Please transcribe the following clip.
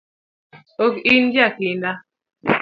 Ok in jakinda